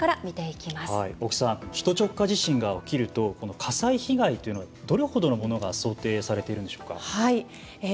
首都直下地震が起きると火災被害はどれぐらいものが想定されているんでしょうか？